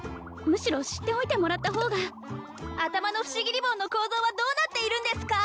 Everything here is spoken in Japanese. むしろ知っておいてもらった方が頭の不思議リボンの構造はどうなっているんですか？